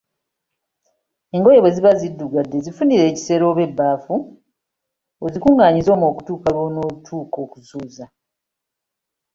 Engoye bwe ziba ziddugadde zifunire ekisero oba ebbaafu ozikunganyize omwo okutuusa lw‘onotuuka okuzooza.